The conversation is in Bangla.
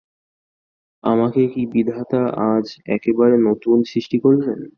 আমাকে কি বিধাতা আজ একেবারে নতুন করে সৃষ্টি করলেন?